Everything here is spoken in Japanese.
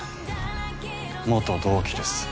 元同期です。